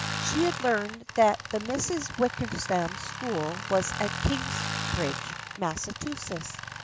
She had learned that the Misses Wickersham's school was at Kings bridge, Massachusetts.